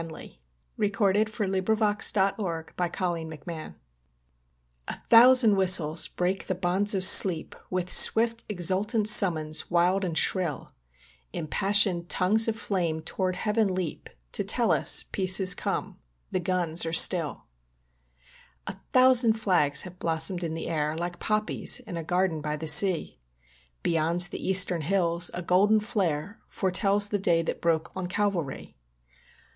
NOVEMBER ELEVENTH ELIZABETH HANLY IN POPULAR EDUCATOR A thousand whistles break the bonds of sleep With swift exultant summons wild and shrill; Impassioned tongues of flames toward heaven leap To tell us peace has come. The guns are still. A thousand flags have blossomed in the air Like poppies in a garden by the sea. Beyond the eastern hills a golden flare Foretells the day that broke on Calvary.